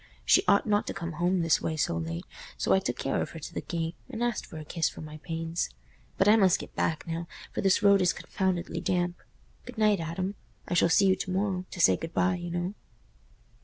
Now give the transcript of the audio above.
She ought not to come home this way so late. So I took care of her to the gate, and asked for a kiss for my pains. But I must get back now, for this road is confoundedly damp. Good night, Adam. I shall see you to morrow—to say good bye, you know."